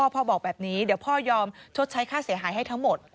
พ่อบอกแบบนี้เดี๋ยวพ่อยอมชดใช้ค่าเสียหายให้ทั้งหมด